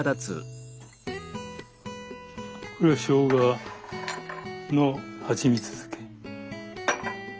これはしょうがのはちみつ漬け。